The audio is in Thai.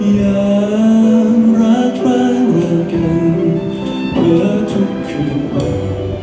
อย่ารักพอรักกันเพื่อทุกคืนวัน